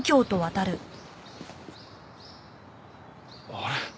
あれ？